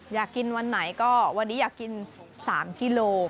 อยากกินวันไหนก็วันนี้อยากกิน๓กิโล